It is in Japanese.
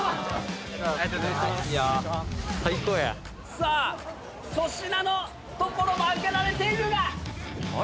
さあ粗品のところも開けられているが。